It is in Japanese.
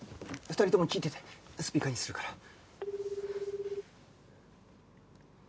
２人とも聞いててスピーカーにするから。